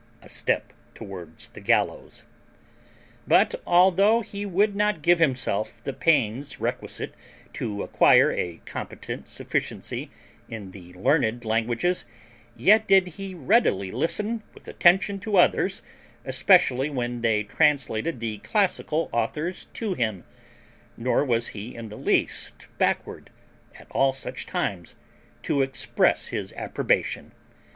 A step towards the gallows. But, though he would not give himself the pains requisite to acquire a competent sufficiency in the learned languages, yet did he readily listen with attention to others, especially when they translated the classical authors to him; nor was he in the least backward, at all such times, to express his approbation.